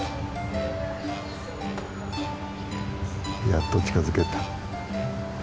やっと近づけた。